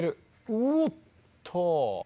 うおっと！